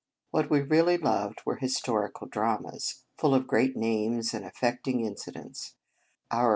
What we really loved were histor ical dramas, full of great names and affecting incidents.